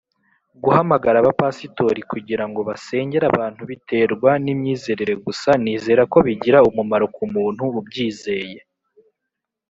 Guhamagara abapasitori kugirango basengere abantu biterwa ni myizerere gusa nizera ko bigira umumaro kumuntu ubyizeye.